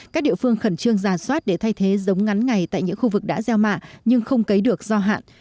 các địa phương khẩn trương giả soát để thay thế giống ngắn ngày tại những khu vực đã gieo mạ nhưng không cấy được do hạn